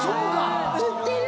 売ってる！